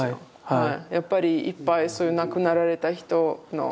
はい。